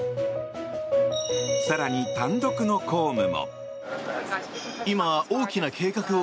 更に、単独の公務も。